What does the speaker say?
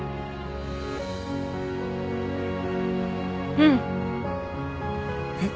うん。えっ？